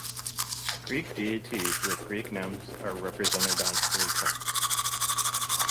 Greek deities, with Greek names are represented on early coins.